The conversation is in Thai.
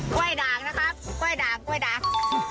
กล้วยดังนะครับกล้วยดัง